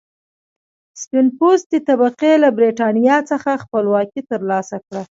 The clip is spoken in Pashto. سپین پوستې طبقې له برېټانیا څخه خپلواکي تر لاسه کړه.